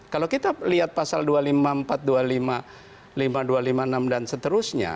kalau kita lihat pasal dua ratus lima puluh empat dua puluh lima lima dua ratus lima puluh enam dan seterusnya